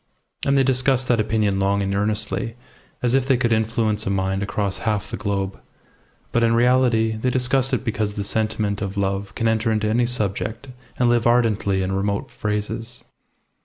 And they discussed that opinion long and earnestly, as if they could influence a mind across half the globe; but in reality they discussed it because the sentiment of love can enter into any subject and live ardently in remote phrases.